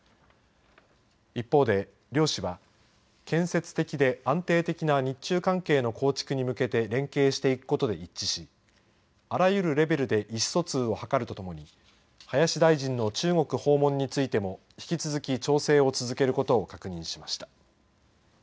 一方で、両氏は建設的で安定的な日中関係の構築に向けて連携していくことで一致しあらゆるレベルで意思疎通を図るとともに林大臣の中国訪問についても引き続き、調整を続けることを確認しました。